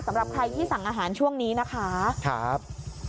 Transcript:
สำหรับใครที่สั่งอาหารช่วงนี้นะคะครับ